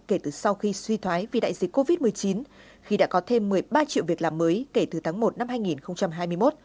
kể từ sau khi suy thoái vì đại dịch covid một mươi chín khi đã có thêm một mươi ba triệu việc làm mới kể từ tháng một năm hai nghìn hai mươi một